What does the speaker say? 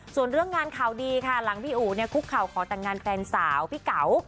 ส่วนเรื่องงานข่าวดีค่ะหลังพี่อู๋เนี่ยคุกเข่าขอแต่งงานแฟนสาวพี่เก๋า